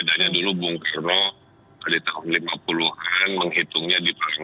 saya ada titik pengaturan